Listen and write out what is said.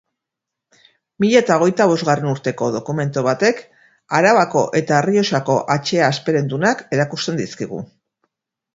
Mila eta hogeita bosgarren urteko dokumentu batek Arabako eta Errioxako hatxea hasperendunak erakusten dizkigu.